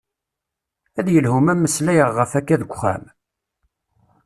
Ad yelhu ma meslayeɣ ɣef akka deg uxxam?